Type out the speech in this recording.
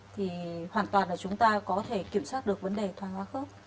thì hoàn toàn là chúng ta có thể kiểm soát được vấn đề thoái hóa khớp